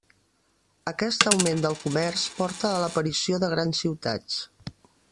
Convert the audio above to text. Aquest augment del comerç porta a l'aparició de grans ciutats.